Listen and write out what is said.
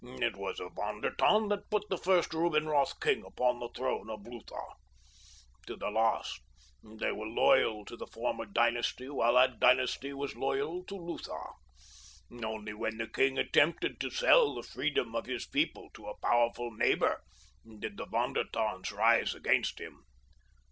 It was a Von der Tann that put the first Rubinroth king upon the throne of Lutha. To the last they were loyal to the former dynasty while that dynasty was loyal to Lutha. Only when the king attempted to sell the freedom of his people to a powerful neighbor did the Von der Tanns rise against him.